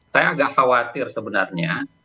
saya agak khawatir sebenarnya